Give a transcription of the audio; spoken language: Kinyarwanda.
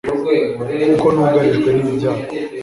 kuko nugarijwe n'ibyago